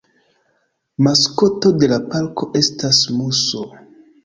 Maskoto de la parko estas muso.